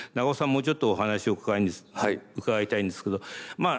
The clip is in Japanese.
もうちょっとお話を伺いたいんですけどまあ